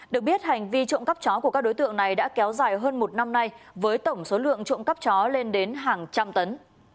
được biết hành vi trộm cắp chó của các đối tượng này đã kéo dài hơn một năm nay với tổng số lượng trộm cắp chó lên đến hàng trăm tấn